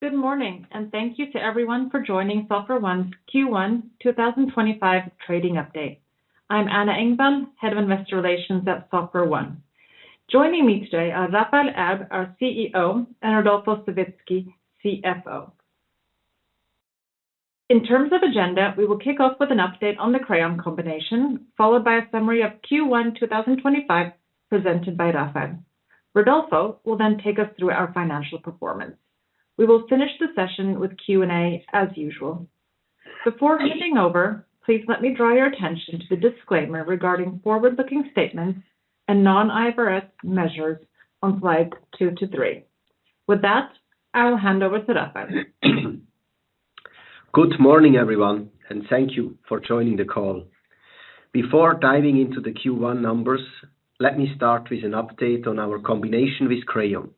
Good morning, and thank you to everyone for joining SoftwareONE's Q1 2025 Trading Update. I'm Anna Engvall, Head of investor relations at SoftwareONE. Joining me today are Raphael Erb, our CEO, and Rodolfo Savitzky, CFO. In terms of agenda, we will kick off with an update on the Crayon combination, followed by a summary of Q1 2025 presented by Raphael. Rodolfo will then take us through our financial performance. We will finish the session with Q&A, as usual. Before handing over, please let me draw your attention to the disclaimer regarding forward-looking statements and non-IFRS measures on slides 2 to 3. With that, I will hand over to Raphael. Good morning, everyone, and thank you for joining the call. Before diving into the Q1 numbers, let me start with an update on our combination with Crayon.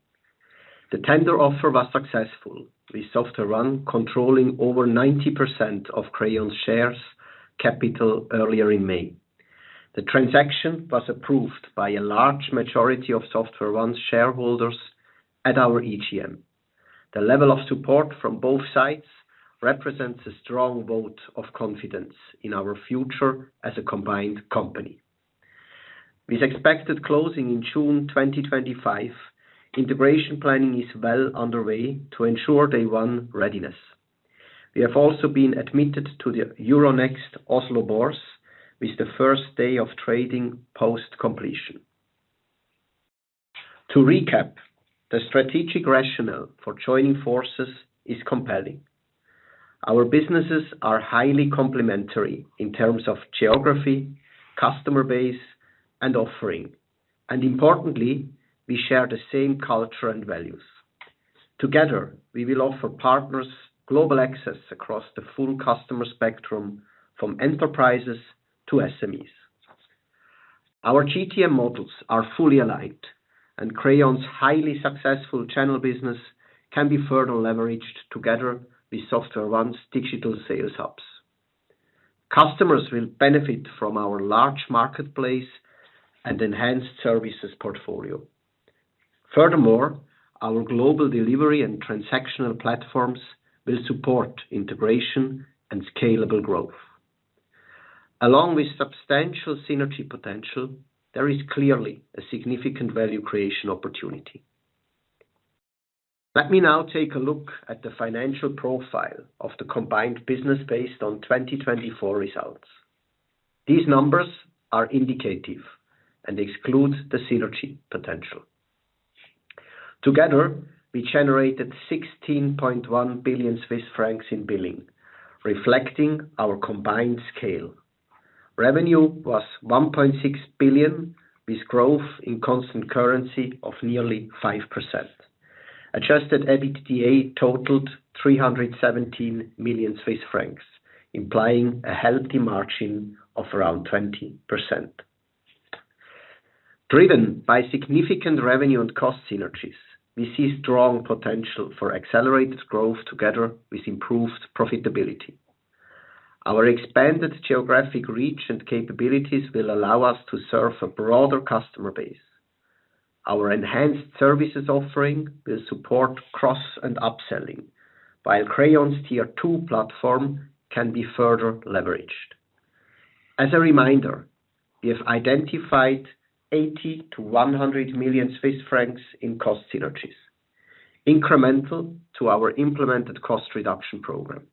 The tender offer was successful, with SoftwareONE controlling over 90% of Crayon's share capital earlier in May. The transaction was approved by a large majority of SoftwareONE's shareholders at our EGM. The level of support from both sides represents a strong vote of confidence in our future as a combined company. With expected closing in June 2025, integration planning is well underway to ensure day-one readiness. We have also been admitted to the Euronext Oslo Børs with the first day of trading post-completion. To recap, the strategic rationale for joining forces is compelling. Our businesses are highly complementary in terms of geography, customer base, and offering, and importantly, we share the same culture and values. Together, we will offer partners global access across the full customer spectrum from enterprises to SMEs. Our GTM models are fully aligned, and Crayon's highly successful channel business can be further leveraged together with SoftwareONE's digital sales hubs. Customers will benefit from our large marketplace and enhanced services portfolio. Furthermore, our global delivery and transactional platforms will support integration and scalable growth. Along with substantial synergy potential, there is clearly a significant value creation opportunity. Let me now take a look at the financial profile of the combined business based on 2024 results. These numbers are indicative and exclude the synergy potential. Together, we generated 16.1 billion Swiss francs in billing, reflecting our combined scale. Revenue was 1.6 billion, with growth in constant currency of nearly 5%. Adjusted EBITDA totaled 317 million Swiss francs, implying a healthy margin of around 20%. Driven by significant revenue and cost synergies, we see strong potential for accelerated growth together with improved profitability. Our expanded geographic reach and capabilities will allow us to serve a broader customer base. Our enhanced services offering will support cross and upselling, while Crayon's tier two platform can be further leveraged. As a reminder, we have identified 80 million to 100 million Swiss francs in cost synergies, incremental to our implemented cost reduction program,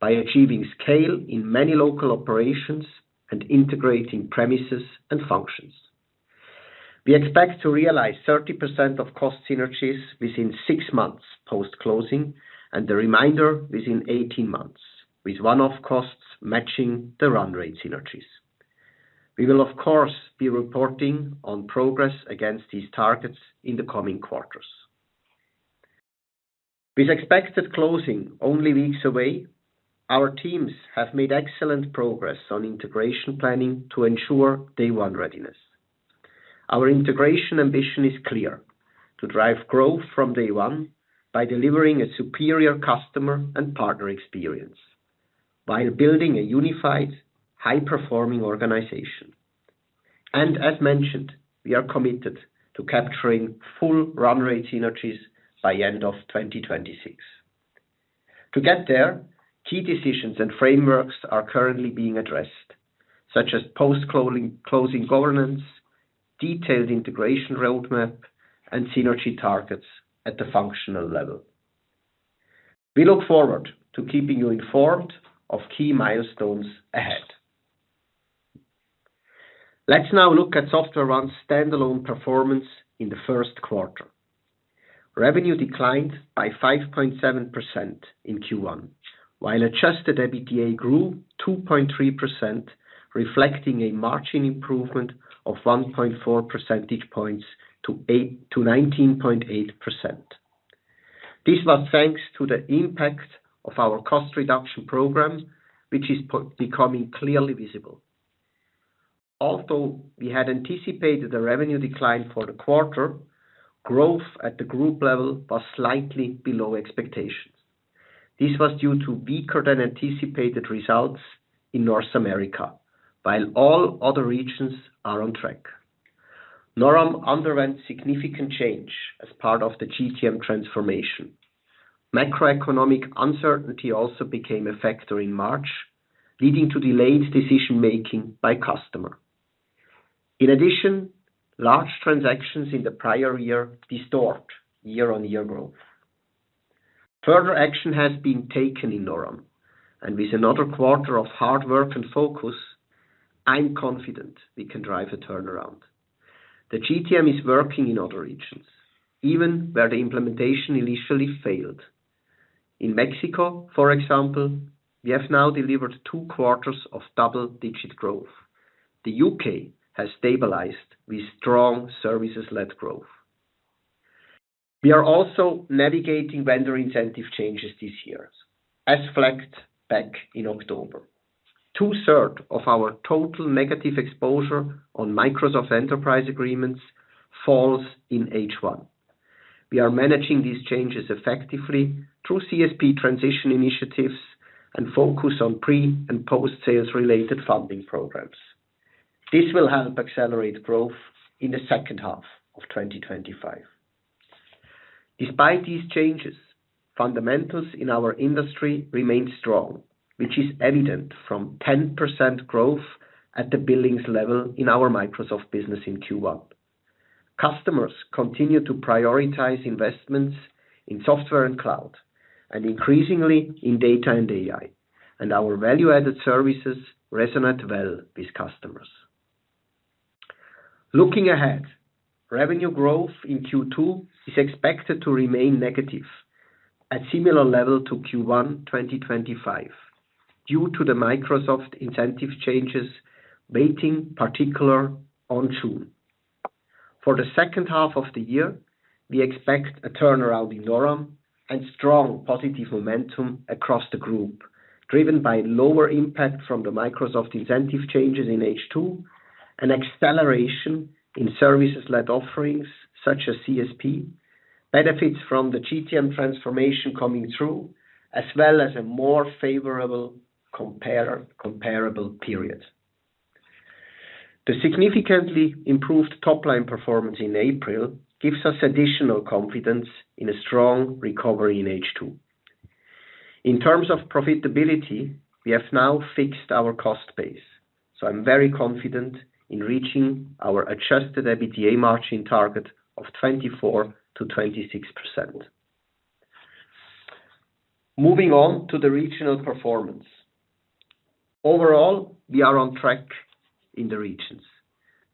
by achieving scale in many local operations and integrating premises and functions. We expect to realize 30% of cost synergies within six months post-closing and the remainder within 18 months, with one-off costs matching the run rate synergies. We will, of course, be reporting on progress against these targets in the coming quarters. With expected closing only weeks away, our teams have made excellent progress on integration planning to ensure day-one readiness. Our integration ambition is clear: to drive growth from day one by delivering a superior customer and partner experience, while building a unified, high-performing organization. As mentioned, we are committed to capturing full run rate synergies by the end of 2026. To get there, key decisions and frameworks are currently being addressed, such as post-closing governance, detailed integration roadmap, and synergy targets at the functional level. We look forward to keeping you informed of key milestones ahead. Let's now look at SoftwareONE's standalone performance in the first quarter. Revenue declined by 5.7% in Q1, while adjusted EBITDA grew 2.3%, reflecting a margin improvement of 1.4 percentage points to 19.8%. This was thanks to the impact of our cost reduction program, which is becoming clearly visible. Although we had anticipated a revenue decline for the quarter, growth at the group level was slightly below expectations. This was due to weaker-than-anticipated results in North America, while all other regions are on track. NORAM underwent significant change as part of the GTM transformation. Macro economic uncertainty also became a factor in March, leading to delayed decision-making by customer. In addition, large transactions in the prior year distort year-on-year growth. Further action has been taken in NORAM, and with another quarter of hard work and focus, I'm confident we can drive a turnaround. The GTM is working in other regions, even where the implementation initially failed. In Mexico, for example, we have now delivered two quarters of double-digit growth. The U.K. has stabilized with strong services-led growth. We are also navigating vendor incentive changes this year, as flagged back in October. Two-thirds of our total negative exposure on Microsoft Enterprise Agreements falls in H1. We are managing these changes effectively through CSP transition initiatives and focus on pre- and post-sales-related funding programs. This will help accelerate growth in the second half of 2025. Despite these changes, fundamentals in our industry remain strong, which is evident from 10% growth at the billings level in our Microsoft business in Q1. Customers continue to prioritize investments in software and cloud, and increasingly in data and AI, and our value-added services resonate well with customers. Looking ahead, revenue growth in Q2 is expected to remain negative at a similar level to Q1 2025 due to the Microsoft incentive changes weighting particularly on June. For the second half of the year, we expect a turnaround in NORAM and strong positive momentum across the group, driven by lower impact from the Microsoft incentive changes in H2, an acceleration in services-led offerings such as CSP, benefits from the GTM transformation coming through, as well as a more favorable comparable period. The significantly improved top-line performance in April gives us additional confidence in a strong recovery in H2. In terms of profitability, we have now fixed our cost base, so I'm very confident in reaching our adjusted EBITDA margin target of 24-26%. Moving on to the regional performance. Overall, we are on track in the regions,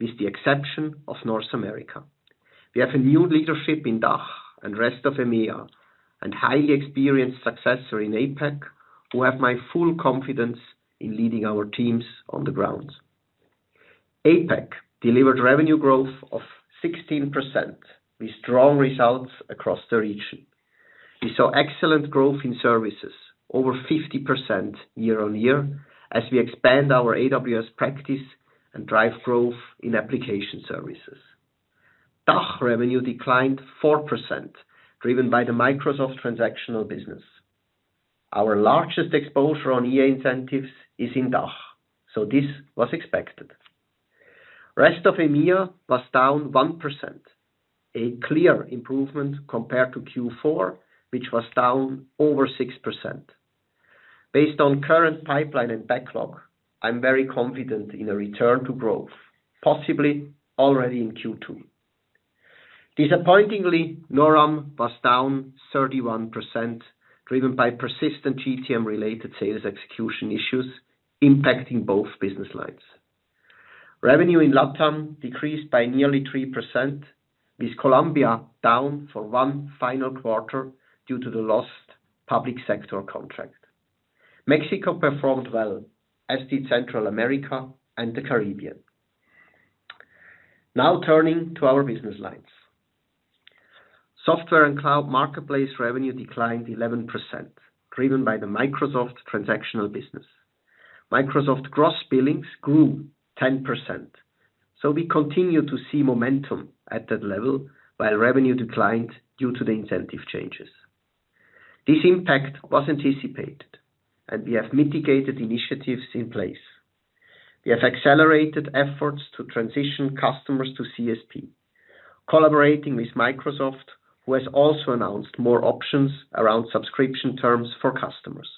with the exception of North America. We have a new leadership in DACH and the rest of EMEA, and highly experienced successors in APAC who have my full confidence in leading our teams on the ground. APAC delivered revenue growth of 16% with strong results across the region. We saw excellent growth in services, over 50% year-on-year, as we expand our AWS practice and drive growth in application services. DACH revenue declined 4%, driven by the Microsoft transactional business. Our largest exposure on EA incentives is in DACH, so this was expected. The rest of EMEA was down 1%, a clear improvement compared to Q4, which was down over 6%. Based on current pipeline and backlog, I'm very confident in a return to growth, possibly already in Q2. Disappointingly, NORAM was down 31%, driven by persistent GTM-related sales execution issues impacting both business lines. Revenue in Latam decreased by nearly 3%, with Colombia down for one final quarter due to the lost public sector contract. Mexico performed well, as did Central America and the Caribbean. Now turning to our business lines. Software and Cloud Marketplace revenue declined 11%, driven by the Microsoft transactional business. Microsoft gross billings grew 10%, so we continue to see momentum at that level, while revenue declined due to the incentive changes. This impact was anticipated, and we have mitigated initiatives in place. We have accelerated efforts to transition customers to CSP, collaborating with Microsoft, who has also announced more options around subscription terms for customers.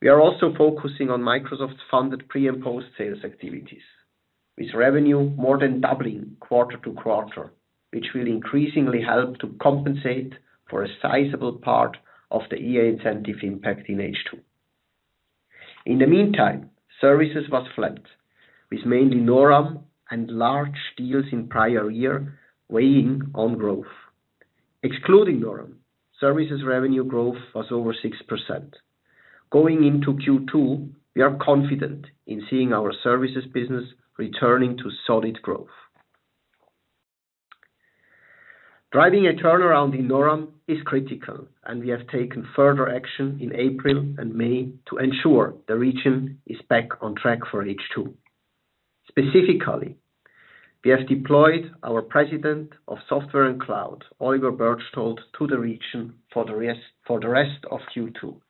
We are also focusing on Microsoft-funded pre- and post-sales activities, with revenue more than doubling quarter to quarter, which will increasingly help to compensate for a sizable part of the EA incentive impact in H2. In the meantime, services were flat, with mainly NORAM and large deals in prior year weighing on growth. Excluding NORAM, services revenue growth was over 6%. Going into Q2, we are confident in seeing our services business returning to solid growth. Driving a turnaround in NORAM is critical, and we have taken further action in April and May to ensure the region is back on track for H2. Specifically, we have deployed our President of Software and Cloud, Oliver Birch, to the region for the rest of Q2.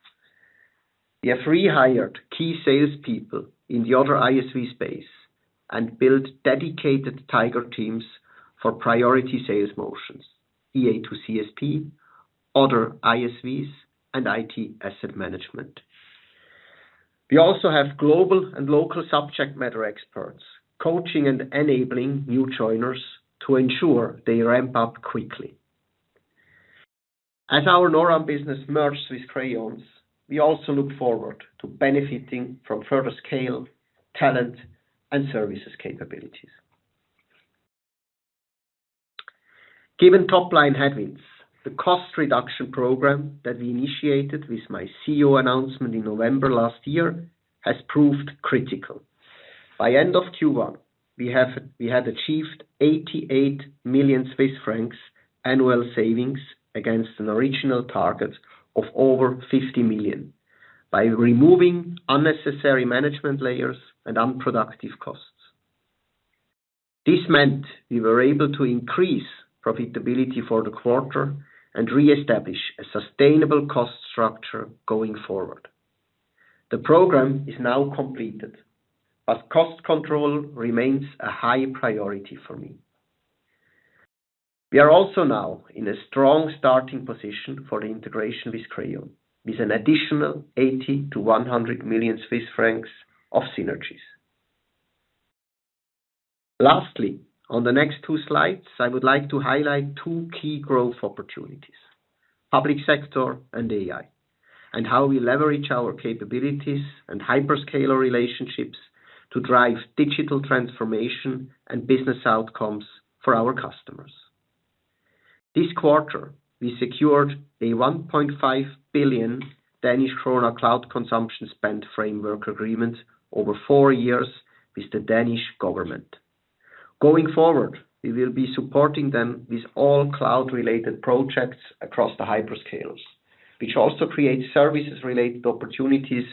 We have rehired key salespeople in the other ISV space and built dedicated tiger teams for priority sales motions, EA to CSP, other ISVs, and IT asset management. We also have global and local subject matter experts coaching and enabling new joiners to ensure they ramp up quickly. As our NORAM business merges with Crayon, we also look forward to benefiting from further scale, talent, and services capabilities. Given top-line headwinds, the cost reduction program that we initiated with my CEO announcement in November last year has proved critical. By the end of Q1, we had achieved 88 million Swiss francs annual savings against an original target of over 50 million by removing unnecessary management layers and unproductive costs. This meant we were able to increase profitability for the quarter and re-establish a sustainable cost structure going forward. The program is now completed, but cost control remains a high priority for me. We are also now in a strong starting position for the integration with Crayon, with an additional 80-100 million Swiss francs of synergies. Lastly, on the next two slides, I would like to highlight two key growth opportunities: public sector and AI, and how we leverage our capabilities and hyperscaler relationships to drive digital transformation and business outcomes for our customers. This quarter, we secured a 1.5 billion cloud consumption spend framework agreement over four years with the Danish government. Going forward, we will be supporting them with all cloud-related projects across the hyperscalers, which also creates services-related opportunities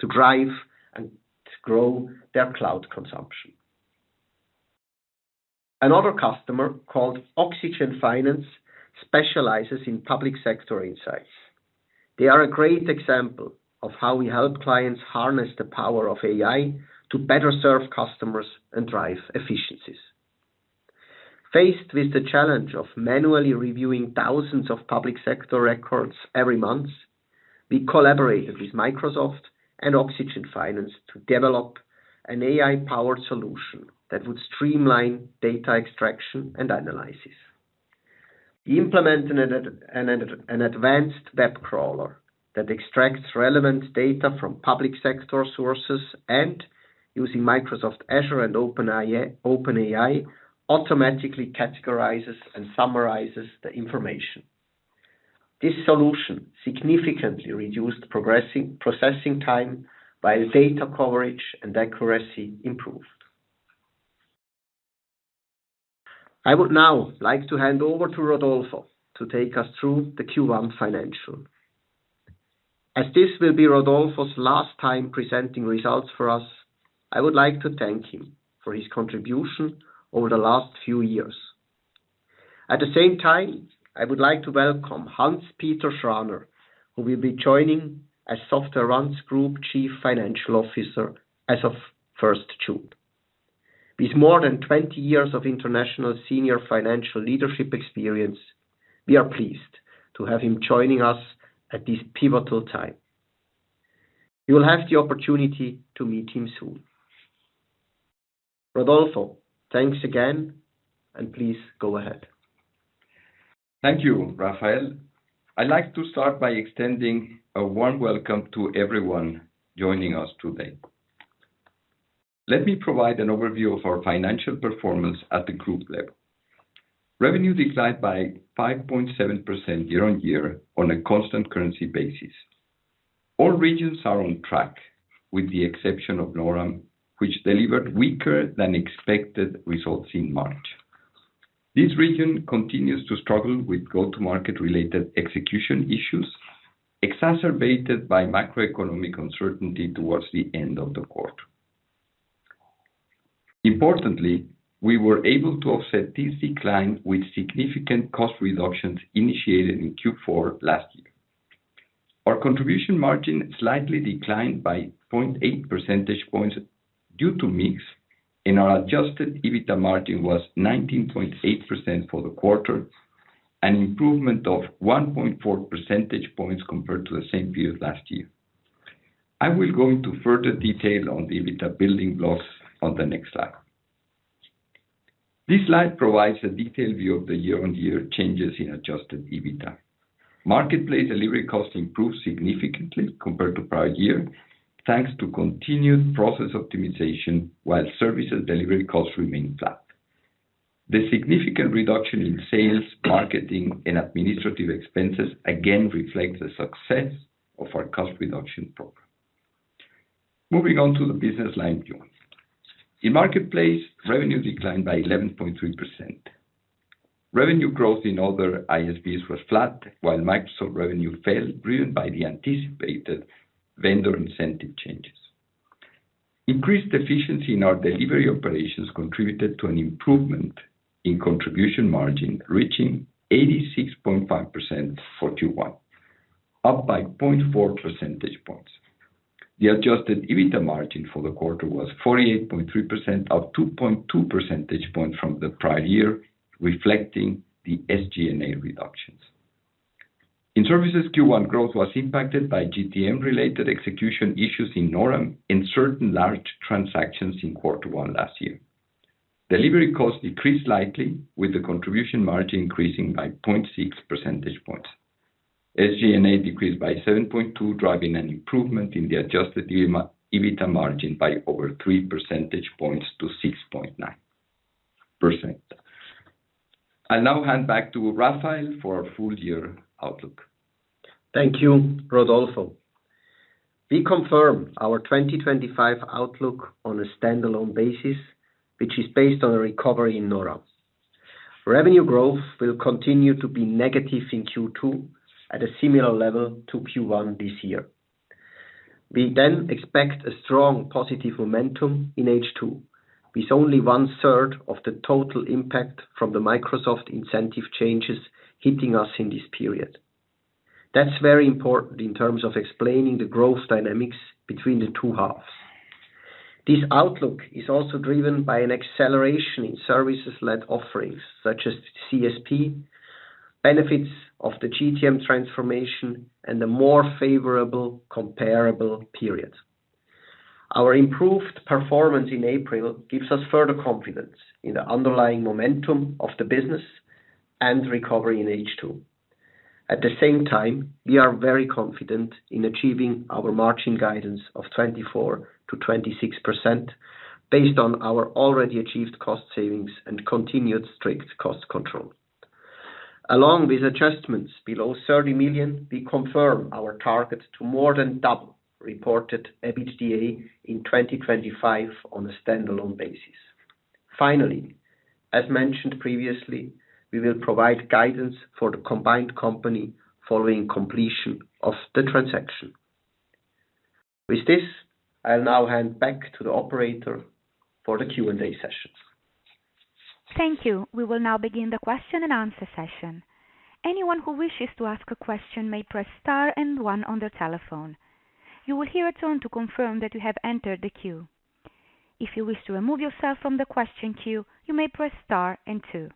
to drive and grow their cloud consumption. Another customer called oxygen finance specializes in public sector insights. They are a great example of how we help clients harness the power of AI to better serve customers and drive efficiencies. Faced with the challenge of manually reviewing thousands of public sector records every month, we collaborated with Microsoft and oxygen finance to develop an AI-powered solution that would streamline data extraction and analysis. We implemented an advanced web crawler that extracts relevant data from public sector sources and, using Microsoft Azure and OpenAI, automatically categorizes and summarizes the information. This solution significantly reduced processing time, while data coverage and accuracy improved. I would now like to hand over to Rodolfo to take us through the Q1 financial. As this will be Rodolfo's last time presenting results for us, I would like to thank him for his contribution over the last few years. At the same time, I would like to welcome Hanspeter Schraner, who will be joining as SoftwareONE's Group Chief Financial Officer as of 1 June. With more than 20 years of international senior financial leadership experience, we are pleased to have him joining us at this pivotal time. You will have the opportunity to meet him soon. Rodolfo, thanks again, and please go ahead. Thank you, Raphael. I'd like to start by extending a warm welcome to everyone joining us today. Let me provide an overview of our financial performance at the group level. Revenue declined by 5.7% year-on-year on a constant currency basis. All regions are on track, with the exception of NORAM, which delivered weaker-than-expected results in March. This region continues to struggle with go-to-market-related execution issues, exacerbated by macroeconomic uncertainty towards the end of the quarter. Importantly, we were able to offset this decline with significant cost reductions initiated in Q4 last year. Our contribution margin slightly declined by 0.8 percentage points due to mix, and our adjusted EBITDA margin was 19.8% for the quarter, an improvement of 1.4 percentage points compared to the same period last year. I will go into further detail on the EBITDA building blocks on the next slide. This slide provides a detailed view of the year-on-year changes in adjusted EBITDA. Marketplace delivery costs improved significantly compared to prior year, thanks to continued process optimization, while services delivery costs remain flat. The significant reduction in sales, marketing, and administrative expenses again reflects the success of our cost reduction program. Moving on to the business line view, in marketplace, revenue declined by 11.3%. Revenue growth in other ISVs was flat, while Microsoft revenue fell, driven by the anticipated vendor incentive changes. Increased efficiency in our delivery operations contributed to an improvement in contribution margin, reaching 86.5% for Q1, up by 0.4 percentage points. The adjusted EBITDA margin for the quarter was 48.3%, up 2.2 percentage points from the prior year, reflecting the SG&A reductions. In Services, Q1 growth was impacted by GTM-related execution issues in NORAM and certain large transactions in quarter one last year. Delivery costs decreased slightly, with the contribution margin increasing by 0.6 percentage points. SG&A decreased by 7.2%, driving an improvement in the adjusted EBITDA margin by over three percentage points to 6.9%. I'll now hand back to Raphael for our full-year outlook. Thank you, Rodolfo. We confirm our 2025 outlook on a standalone basis, which is based on a recovery in NORAM. Revenue growth will continue to be negative in Q2 at a similar level to Q1 this year. We then expect a strong positive momentum in H2, with only one-third of the total impact from the Microsoft incentive changes hitting us in this period. That's very important in terms of explaining the growth dynamics between the two halves. This outlook is also driven by an acceleration in services-led offerings, such as CSP, benefits of the GTM transformation, and a more favorable comparable period. Our improved performance in April gives us further confidence in the underlying momentum of the business and recovery in H2. At the same time, we are very confident in achieving our margin guidance of 24%-26%, based on our already achieved cost savings and continued strict cost control. Along with adjustments below 30 million, we confirm our target to more than double reported EBITDA in 2025 on a standalone basis. Finally, as mentioned previously, we will provide guidance for the combined company following completion of the transaction. With this, I'll now hand back to the operator for the Q&A sessions. Thank you. We will now begin the question and answer session. Anyone who wishes to ask a question may press star and one on their telephone. You will hear a tone to confirm that you have entered the queue. If you wish to remove yourself from the question queue, you may press star and two.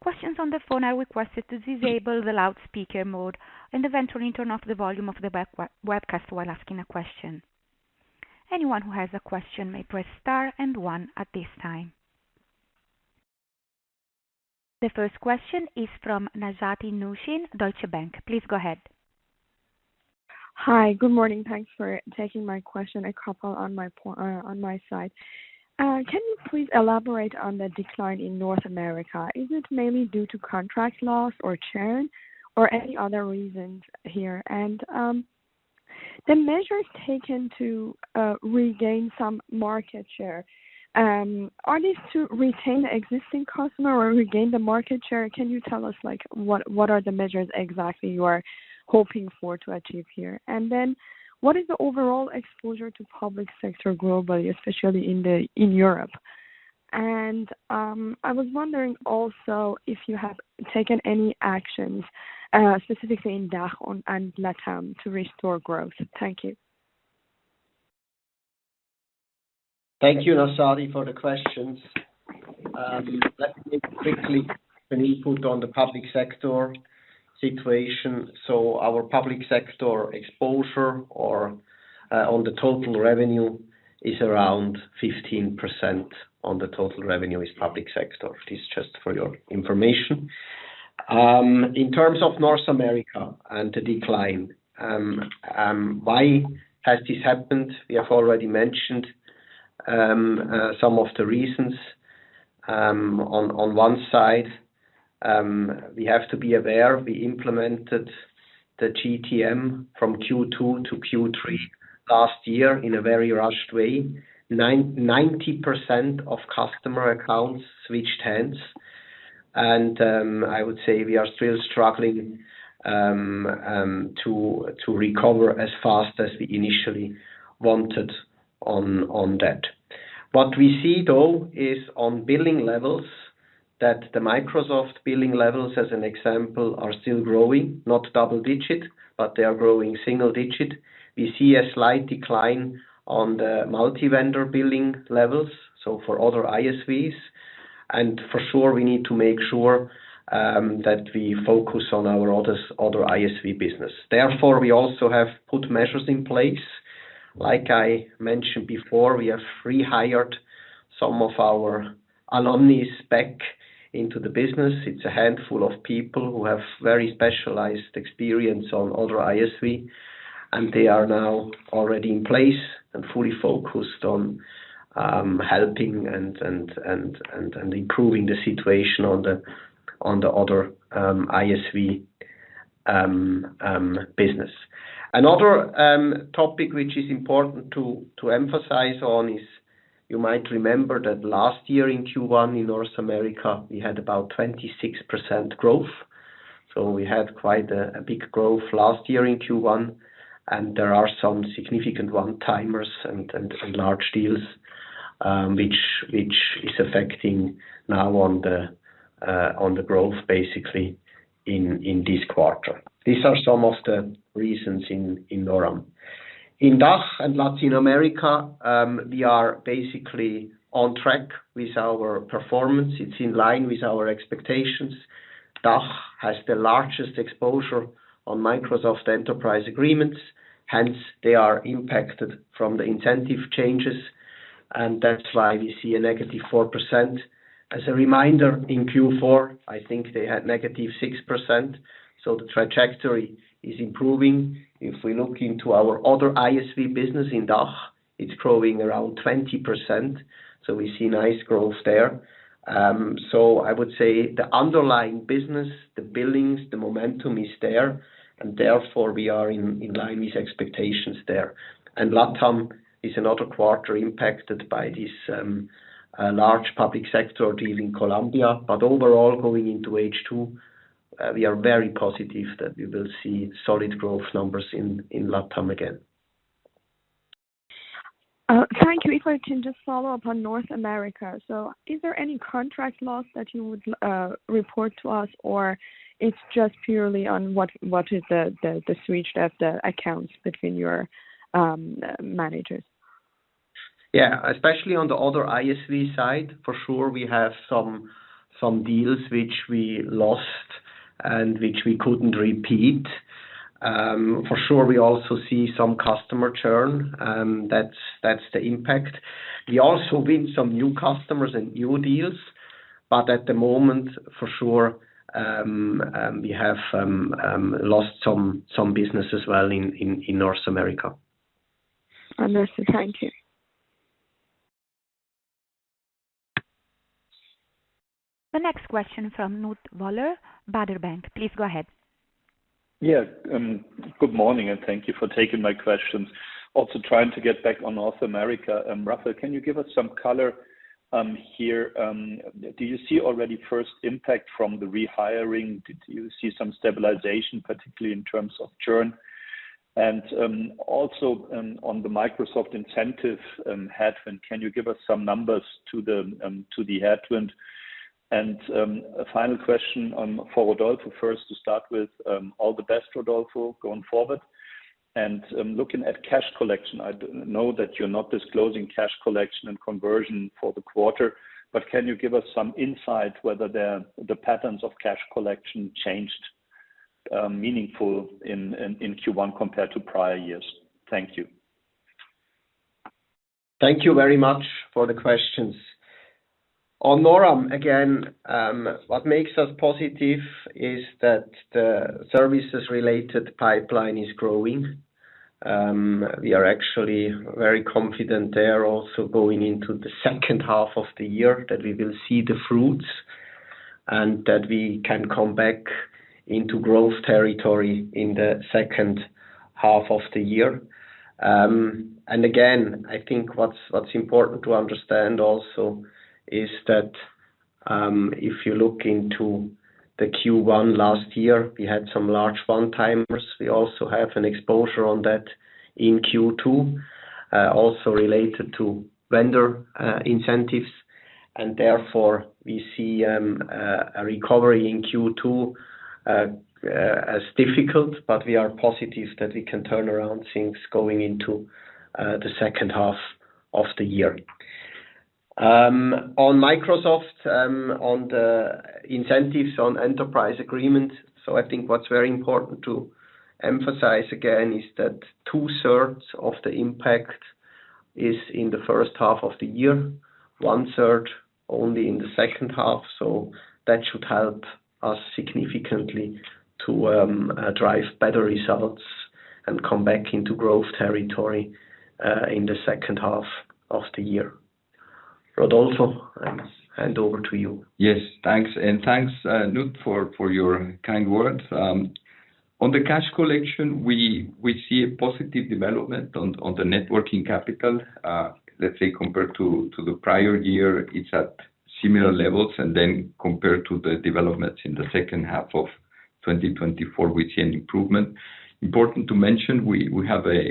Questions on the phone are requested to disable the loudspeaker mode and eventually turn off the volume of the webcast while asking a question. Anyone who has a question may press star and one at this time. The first question is from Nejati Nooshin, Deutsche Bank. Please go ahead. Hi, good morning. Thanks for taking my question. A couple on my side. Can you please elaborate on the decline in North America? Is it mainly due to contract loss or churn or any other reasons here? The measures taken to regain some market share, are these to retain the existing customer or regain the market share? Can you tell us what are the measures exactly you are hoping for to achieve here? What is the overall exposure to public sector globally, especially in Europe? I was wondering also if you have taken any actions specifically in DACH and Latam to restore growth. Thank you. Thank you, Nejati, for the questions. Let me quickly put input on the public sector situation. Our public sector exposure on the total revenue is around 15%. On the total revenue, 15% is public sector. This is just for your information. In terms of North America and the decline, why has this happened? We have already mentioned some of the reasons. On one side, we have to be aware. We implemented the GTM from Q2 to Q3 last year in a very rushed way. 90% of customer accounts switched hands. I would say we are still struggling to recover as fast as we initially wanted on that. What we see, though, is on billing levels that the Microsoft billing levels, as an example, are still growing, not double-digit, but they are growing single-digit. We see a slight decline on the multi-vendor billing levels, so for other ISVs. For sure, we need to make sure that we focus on our other ISV business. Therefore, we also have put measures in place. Like I mentioned before, we have rehired some of our alumni back into the business. It's a handful of people who have very specialized experience on other ISV, and they are now already in place and fully focused on helping and improving the situation on the other ISV business. Another topic which is important to emphasize on is you might remember that last year in Q1 in North America, we had about 26% growth. We had quite a big growth last year in Q1, and there are some significant one-timers and large deals, which is affecting now on the growth, basically, in this quarter. These are some of the reasons in NORAM. In DACH and Latin America, we are basically on track with our performance. It's in line with our expectations. DACH has the largest exposure on Microsoft enterprise agreements. Hence, they are impacted from the incentive changes, and that's why we see a negative 4%. As a reminder, in Q4, I think they had negative 6%. The trajectory is improving. If we look into our other ISV business in DACH, it's growing around 20%. We see nice growth there. I would say the underlying business, the billings, the momentum is there, and therefore we are in line with expectations there. Latam is another quarter impacted by this large public sector deal in Colombia. Overall, going into H2, we are very positive that we will see solid growth numbers in Latam again. Thank you. If I can just follow up on North America. Is there any contract loss that you would report to us, or is it just purely on what is the switch of the accounts between your managers? Yeah, especially on the other ISV side, for sure, we have some deals which we lost and which we could not repeat. For sure, we also see some customer churn. That is the impact. We also win some new customers and new deals, but at the moment, for sure, we have lost some business as well in North America. Understood. Thank you. The next question from Knut Woller, Baader Bank. Please go ahead. Yeah. Good morning, and thank you for taking my questions. Also trying to get back on North America. Raphael, can you give us some color here? Do you see already first impact from the rehiring? Do you see some stabilization, particularly in terms of churn? Also on the Microsoft incentive headwind, can you give us some numbers to the headwind? A final question for Rodolfo first to start with. All the best, Rodolfo, going forward. Looking at cash collection, I know that you're not disclosing cash collection and conversion for the quarter, but can you give us some insight whether the patterns of cash collection changed meaningfully in Q1 compared to prior years? Thank you. Thank you very much for the questions. On NORAM, again, what makes us positive is that the services-related pipeline is growing. We are actually very confident there also going into the second half of the year that we will see the fruits and that we can come back into growth territory in the second half of the year. I think what's important to understand also is that if you look into Q1 last year, we had some large one-timers. We also have an exposure on that in Q2, also related to vendor incentives. Therefore, we see a recovery in Q2 as difficult, but we are positive that we can turn around things going into the second half of the year. On Microsoft, on the incentives on enterprise agreements, I think what is very important to emphasize again is that two-thirds of the impact is in the first half of the year, one-third only in the second half. That should help us significantly to drive better results and come back into growth territory in the second half of the year. Rodolfo, I'll hand over to you. Yes, thanks. And thanks, Knut, for your kind words. On the cash collection, we see a positive development on the networking capital. Let's say compared to the prior year, it is at similar levels. Compared to the developments in the second half of 2024, we see an improvement. Important to mention, we have an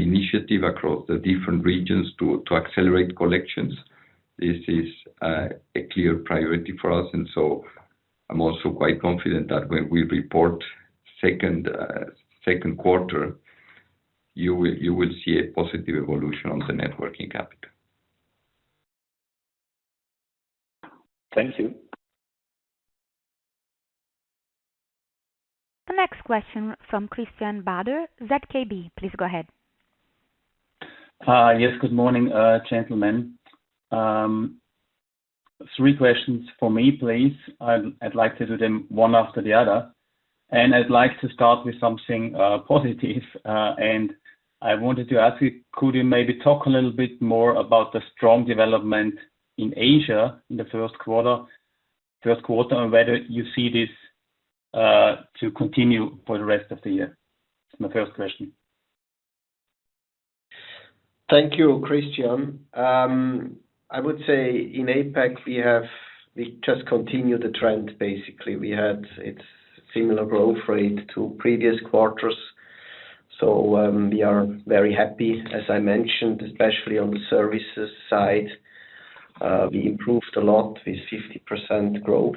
initiative across the different regions to accelerate collections. This is a clear priority for us. I am also quite confident that when we report second quarter, you will see a positive evolution on the networking capital. Thank you. The next question from Christian Bader, ZKB. Please go ahead. Yes, good morning, gentlemen. Three questions for me, please. I'd like to do them one after the other. I'd like to start with something positive. I wanted to ask you, could you maybe talk a little bit more about the strong development in Asia in the first quarter and whether you see this to continue for the rest of the year? It's my first question. Thank you, Christian. I would say in APAC, we just continued the trend, basically. We had a similar growth rate to previous quarters. We are very happy, as I mentioned, especially on the services side. We improved a lot with 50% growth.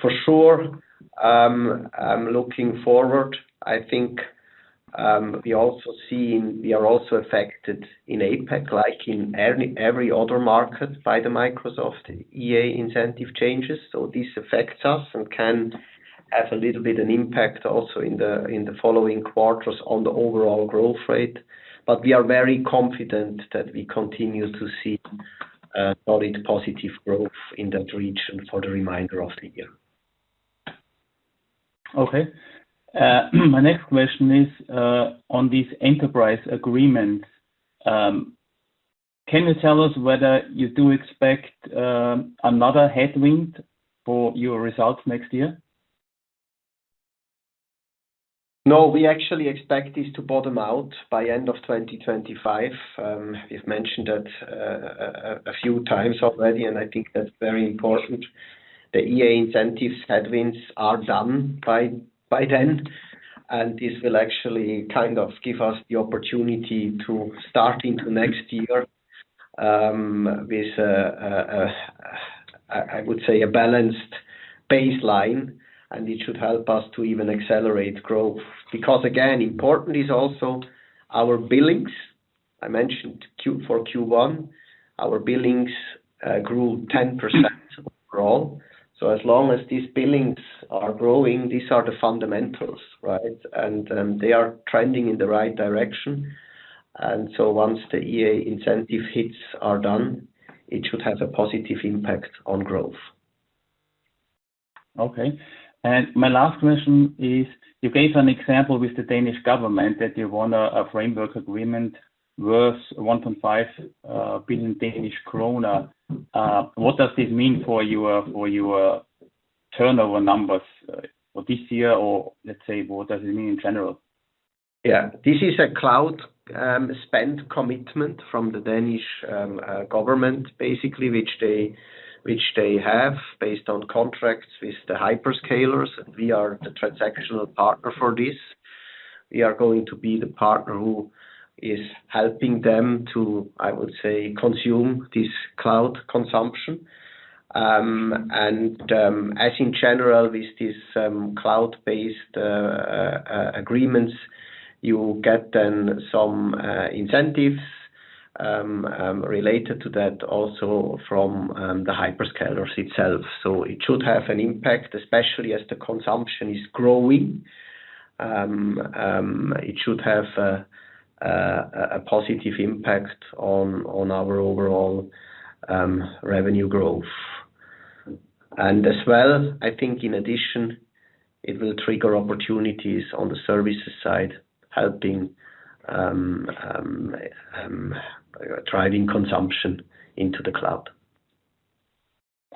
For sure, I'm looking forward. I think we are also affected in APAC, like in every other market by the Microsoft EA incentive changes. This affects us and can have a little bit of an impact also in the following quarters on the overall growth rate. We are very confident that we continue to see solid positive growth in that region for the remainder of the year. Okay. My next question is on these enterprise agreements. Can you tell us whether you do expect another headwind for your results next year? No, we actually expect this to bottom out by the end of 2025. We've mentioned that a few times already, and I think that's very important. The EA incentives headwinds are done by then, and this will actually kind of give us the opportunity to start into next year with, I would say, a balanced baseline. It should help us to even accelerate growth. Because, again, important is also our billings. I mentioned for Q1, our billings grew 10% overall. As long as these billings are growing, these are the fundamentals, right? They are trending in the right direction. Once the EA incentive hits are done, it should have a positive impact on growth. Okay. My last question is, you gave an example with the Danish government that you won a framework agreement worth 1.5 billion Danish krone. What does this mean for your turnover numbers for this year? Or let's say, what does it mean in general? Yeah. This is a cloud spend commitment from the Danish government, basically, which they have based on contracts with the hyperscalers. We are the transactional partner for this. We are going to be the partner who is helping them to, I would say, consume this cloud consumption. As in general, with these cloud-based agreements, you get then some incentives related to that also from the hyperscalers itself. It should have an impact, especially as the consumption is growing. It should have a positive impact on our overall revenue growth. I think in addition, it will trigger opportunities on the services side, helping driving consumption into the cloud.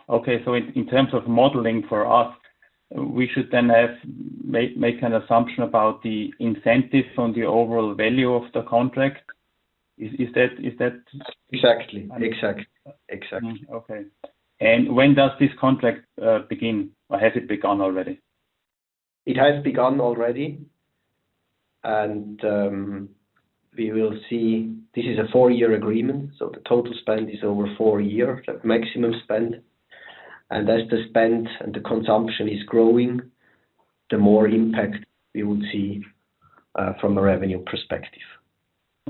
Okay. In terms of modeling for us, we should then make an assumption about the incentive on the overall value of the contract. Is that? Exactly. Exactly. Exactly. Okay. When does this contract begin? Has it begun already? It has begun already. We will see this is a four-year agreement. The total spend is over four years, maximum spend. As the spend and the consumption is growing, the more impact we would see from a revenue perspective.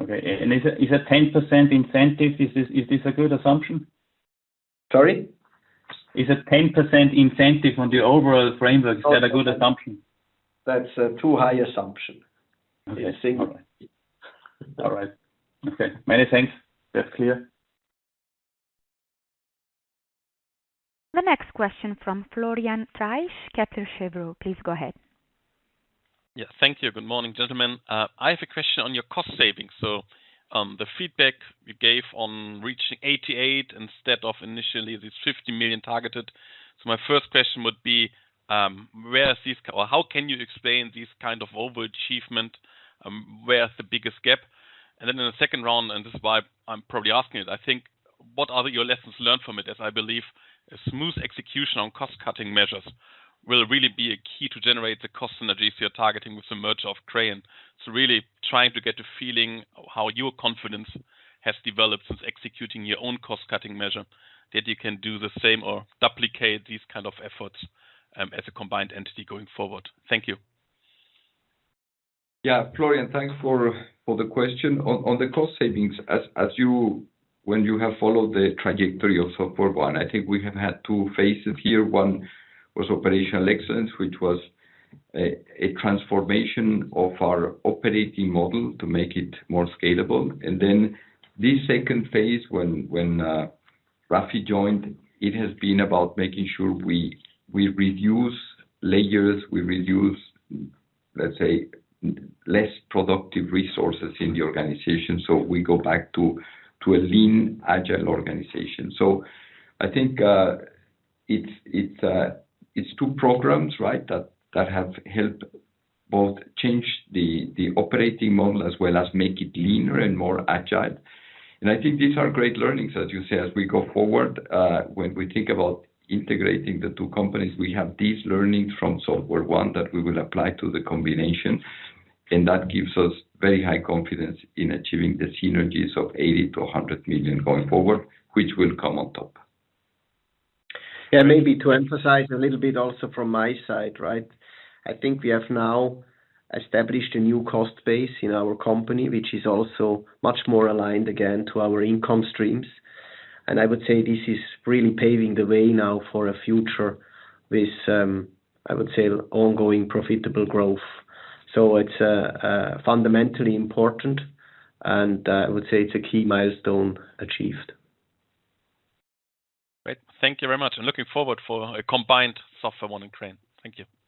Okay. Is that 10% incentive? Is this a good assumption? Sorry? Is a 10% incentive on the overall framework? Is that a good assumption? That is a too high assumption. Yes. All right. Okay. Many thanks. That is clear. The next question from Florian Treisch, Kepler Cheuvreux. Please go ahead. Yeah. Thank you. Good morning, gentlemen. I have a question on your cost savings. The feedback you gave on reaching 88 million instead of initially this 50 million targeted. My first question would be, where is this or how can you explain this kind of overachievement? Where is the biggest gap? Then in the second round, and this is why I'm probably asking it, I think, what are your lessons learned from it? As I believe, a smooth execution on cost-cutting measures will really be a key to generate the cost synergies you're targeting with the merger of Crayon. Really trying to get a feeling how your confidence has developed since executing your own cost-cutting measure, that you can do the same or duplicate these kinds of efforts as a combined entity going forward. Thank you. Yeah. Florian, thanks for the question. On the cost savings, when you have followed the trajectory of SoftwareONE, I think we have had two phases here. One was operational excellence, which was a transformation of our operating model to make it more scalable. This second phase, when Rafi joined, it has been about making sure we reduce layers, we reduce, let's say, less productive resources in the organization. We go back to a lean, agile organization. I think it is two programs, right, that have helped both change the operating model as well as make it leaner and more agile. I think these are great learnings, as you say, as we go forward. When we think about integrating the two companies, we have these learnings from SoftwareONE that we will apply to the combination. That gives us very high confidence in achieving the synergies of 80 million-100 million going forward, which will come on top. Yeah. Maybe to emphasize a little bit also from my side, right? I think we have now established a new cost base in our company, which is also much more aligned again to our income streams. I would say this is really paving the way now for a future with, I would say, ongoing profitable growth. It is fundamentally important. I would say it is a key milestone achieved. Great. Thank you very much. I am looking forward for a combined SoftwareONE and Crayon. Thank you. Thank you.